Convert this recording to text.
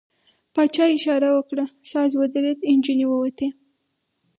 پاچا اشاره وکړه، ساز ودرېد، نجونې ووتې.